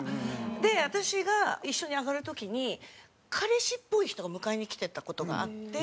で私が一緒に上がる時に彼氏っぽい人が迎えに来てた事があって。